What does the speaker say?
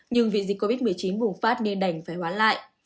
nhưng vì dịch covid một mươi chín bùng phát nên đành phải hoãn lại